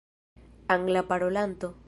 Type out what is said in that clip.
anglaparolanto